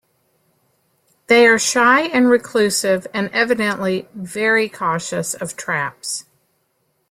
They are shy and reclusive, and evidently very cautious of traps.